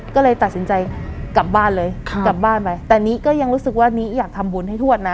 ก็เลยตัดสินใจกลับบ้านเลยกลับบ้านไปแต่นี้ก็ยังรู้สึกว่านี้อยากทำบุญให้ทวดนะ